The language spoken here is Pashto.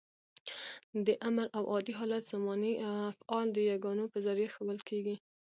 د امر او عادي حالت زماني افعال د يګانو په ذریعه ښوول کېږي.